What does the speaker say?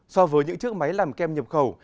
so với những chiếc máy làm kem nhập khẩu